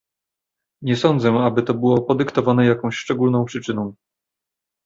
Nie sądzę, aby było to podyktowane jakąś szczególną przyczyną